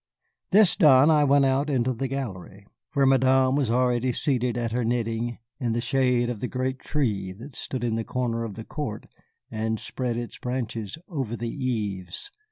This done, I went out into the gallery, where Madame was already seated at her knitting, in the shade of the great tree that stood in the corner of the court and spread its branches over the eaves.